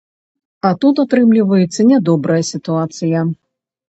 А тут атрымліваецца нядобрая сітуацыя.